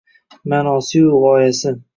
Ma’nosiyu g’oyasi.